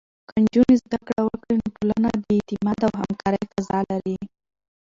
که نجونې زده کړه وکړي، نو ټولنه د اعتماد او همکارۍ فضا لري.